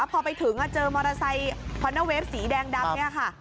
พอไปถึงเจอมอเตอร์ไซต์พอร์เนอร์เวฟสีแดงดำนี่ค่ะ